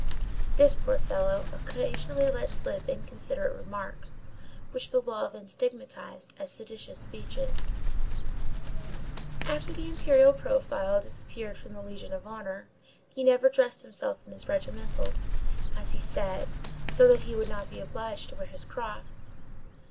This poor fellow occasionally let slip inconsiderate remarks, which the law then stigmatized as seditious speeches. After the imperial profile disappeared from the Legion of Honor, he never dressed himself in his regimentals, as he said, so that he should not be obliged to wear his cross.